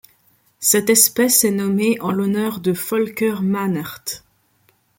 Cette espèce est nommée en l'honneur de Volker Mahnert.